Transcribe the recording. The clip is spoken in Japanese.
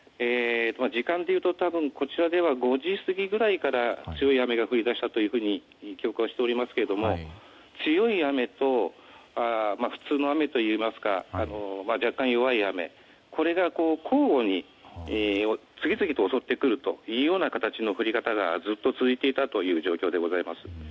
時間でいうと、多分こちらでは５時過ぎくらいから強い雨が降り出したと記憶しておりますが強い雨と普通の雨といいますか若干、弱い雨が交互に次々と襲ってくるという降り方がずっと続いていたという状況でございます。